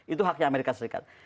itu haknya amerika serikat